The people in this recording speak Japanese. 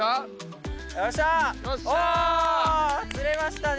釣れましたね！